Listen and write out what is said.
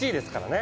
ね